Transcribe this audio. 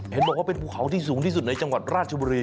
เห็นบอกว่าเป็นภูเขาที่สูงที่สุดในจังหวัดราชบุรี